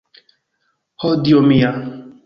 Ho dio mia!